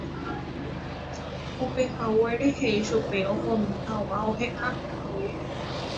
upehaguére he'i chupe ohomi hag̃ua oheka.